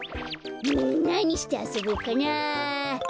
なにしてあそぼっかな。